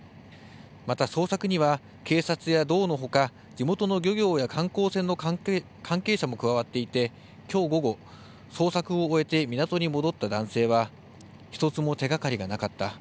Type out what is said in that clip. また、捜索には警察や道のほか地元の漁業や観光船の関係者も加わっていてきょう午後、捜索を終えて港に戻った男性は一つも手がかりがなかった。